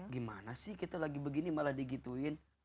gimana sih kita lagi begini malah digituin